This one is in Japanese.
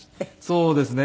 そうですね。